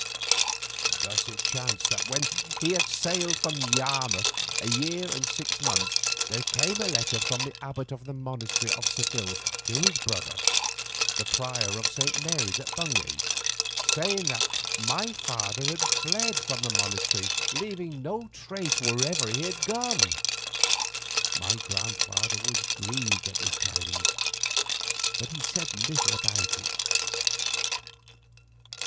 Thus it chanced that when he had sailed from Yarmouth a year and six months, there came a letter from the abbot of the monastery in Seville to his brother, the prior of St. Mary's at Bungay, saying that my father had fled from the monastery, leaving no trace of where he had gone. My grandfather was grieved at this tidings, but said little about it.